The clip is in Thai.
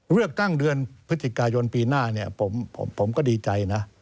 เลือกตั้งเดือนพฤติกายทปีหน้าผมก็ดีใจนะ